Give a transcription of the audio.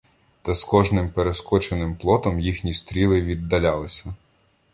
Та з кожним перескоченим плотом їхні стріли віддалялися.